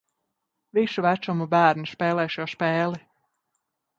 Visu vecumu bērni spēlē šo spēli